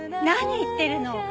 何言ってるの！